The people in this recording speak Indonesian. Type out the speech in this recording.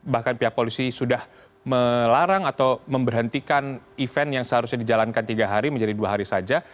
bahkan pihak polisi sudah melarang atau memberhentikan event yang seharusnya dijalankan tiga hari menjadi dua hari saja